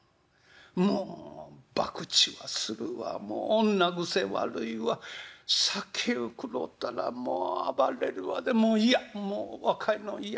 もうばくちはするわもう女癖悪いわ酒を食ろうたらもう暴れるわでもう嫌若いのは嫌。